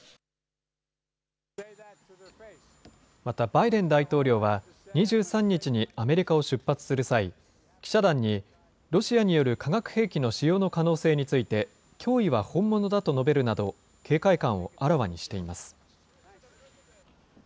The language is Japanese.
また、バイデン大統領は２３日にアメリカを出発する際、記者団に、ロシアによる化学兵器の使用の可能性について、脅威は本物だと述べるなど、警戒感をあらわにしています。